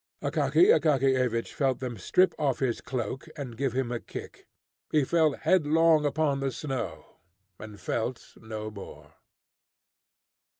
Akaky Akakiyevich felt them strip off his cloak, and give him a kick. He fell headlong upon the snow, and felt no more.